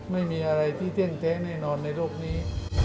ไม่มีอะไรที่เที่ยงเทในโลกนี้